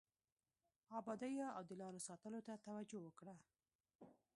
ابادیو او د لارو ساتلو ته توجه وکړه.